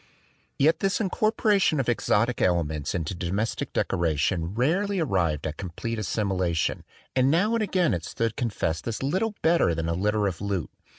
Yet this incorporation of exotic elements into domestic decoration rarely arrived at complete assimilation; and now and again it stood con fessed as little better than a litter of loot.